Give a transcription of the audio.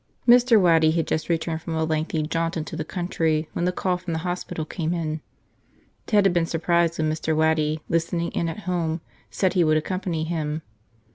Mr. Waddy had just returned from a lengthy jaunt into the country when the call from the hospital came in. Ted had been surprised when Mr. Waddy, listening in at home, said he would accompany him.